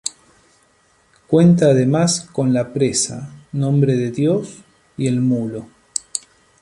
Cuenta además con la presa Nombre de Dios y El Mulo.